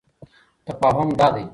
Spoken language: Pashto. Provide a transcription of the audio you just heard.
تفاهم دادی: